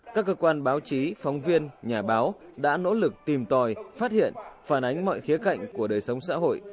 các cơ quan báo chí phóng viên nhà báo đã nỗ lực tìm tòi phát hiện phản ánh mọi khía cạnh của đời sống xã hội